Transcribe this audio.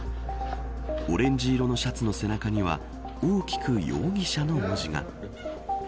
オレンジ色のシャツの背中には大きく容疑者の文字が。